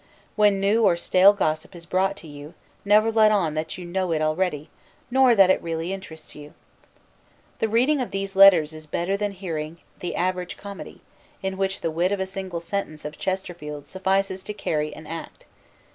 When new or stale gossip is brought to you, never let on that you know it already, nor that it really interests you. The reading of these Letters is better than hearing the average comedy, in which the wit of a single sentence of Chesterfield suffices to carry an act.